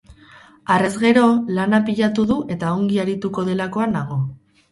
Harrezgero, lana pilatu du eta ongi arituko delakoan nago.